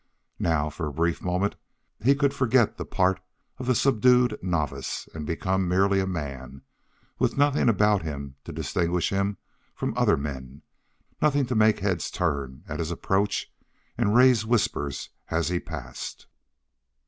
Now for a brief moment he could forget the part of the subdued novice and become merely a man with nothing about him to distinguish him from other men, nothing to make heads turn at his approach and raise whispers as he passed.